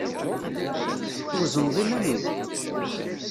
Twezneḍ iman-im?